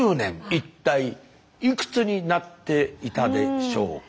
一体いくつになっていたでしょうか。